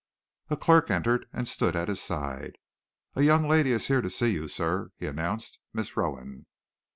A clerk entered and stood at his side. "A young lady is here to see you, sir," he announced, "Miss Rowan."